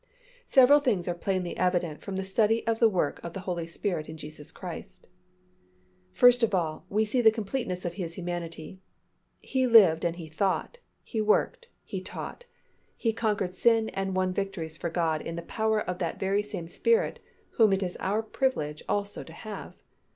Several things are plainly evident from this study of the work of the Holy Spirit in Jesus Christ: First of all, we see the completeness of His humanity. He lived and He thought, He worked, He taught, He conquered sin and won victories for God in the power of that very same Spirit whom it is our privilege also to have.